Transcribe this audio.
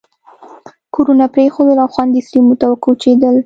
کورونه پرېښودل او خوندي سیمو ته وکوچېدل.